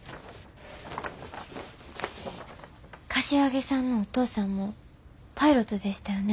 柏木さんのお父さんもパイロットでしたよね。